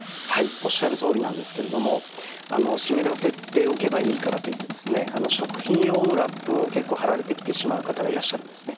おっしゃるとおりなんですけれども湿らせておけばいいからといって食品用のラップを結構貼られてきてしまう方がいらっしゃるんですね。